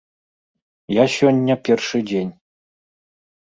Я сёння першы дзень.